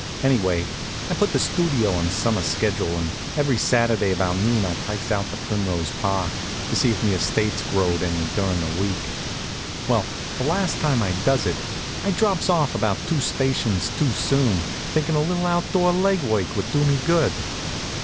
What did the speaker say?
Anyway, I've put the Studio on summer schedule, and every Saturday about noon I pikes out to Primrose Park, to see if me estate's growed any durin' the week. Well, the last time I does it, I drops off about two stations too soon, thinkin' a little outdoor leg work would do me good.